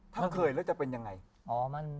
ทั้งเคยแล้วจะเป็นยังไง